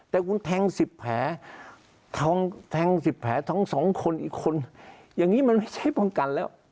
แต่คุณแทง๑๐แผลทั้ง๒คนอีกคนอย่างนี้มันไม่ใช่ป้องกันแล้ว